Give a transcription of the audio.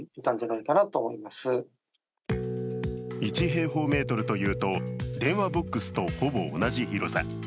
１平方メートルというと電話ボックスとほぼ同じ広さ。